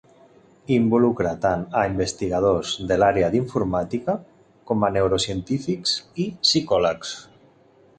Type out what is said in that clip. Involucra tant a investigadors de l'àrea d'informàtica com a neurocientífics i psicòlegs.